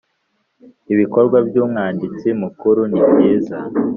Ibikorwa by’Umwanditsi Mukuru nibyiza.